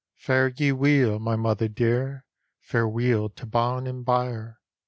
"Fare ye weel, my mother dear! Farcwcel to bam and byre!